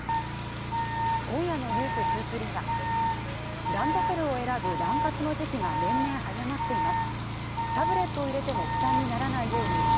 今夜の「ｎｅｗｓ２３」はランドセルを選ぶラン活の時期が年々早まっています。